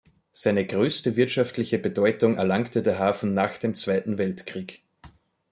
Seine größte wirtschaftliche Bedeutung erlangte der Hafen nach dem Zweiten Weltkrieg.